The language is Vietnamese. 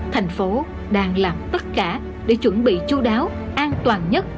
thành phố đang làm tất cả để chuẩn bị chú đáo an toàn nhất